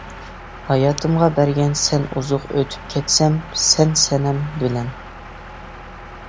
ھاياتىمغا بەرگەن سەن ئوزۇق، ئۆتۈپ كەتسەم سەن سەنەم بىلەن.